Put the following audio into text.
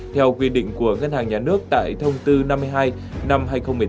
theo quy định của ngân hàng nhà nước tại thông tư năm mươi hai năm hai nghìn một mươi tám